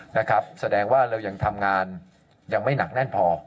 นะครับแสดงว่าเรายังทำงานยังไม่หนักแน่นพอ